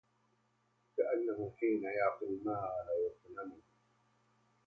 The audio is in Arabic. كأنه حين يعطي المال يغنمه